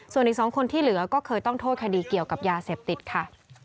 ส่วนอีก๒คนที่เหลือก็เคยต้องโทษคดีเกี่ยวกับยาเสพติดค่ะ